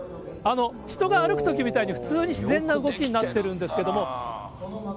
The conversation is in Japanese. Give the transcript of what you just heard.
人が歩くときみたいに、普通に自然な動きになってるんですけども。